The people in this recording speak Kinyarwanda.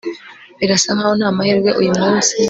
birasa nkaho ntamahirwe uyu munsi